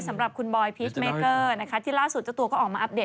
สำหรับคุณบอยพีชเมเกอร์นะคะที่ล่าสุดเจ้าตัวก็ออกมาอัปเดต